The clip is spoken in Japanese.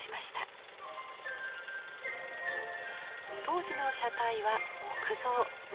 当時の車体は木造。